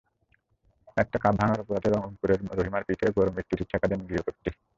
একটি কাপ ভাঙার অপরাধে রংপুরের রহিমার পিঠে গরম ইস্তিরির ছেঁকা দেন গৃহকর্ত্রী।